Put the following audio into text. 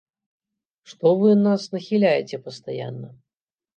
Што вы нас нахіляеце пастаянна?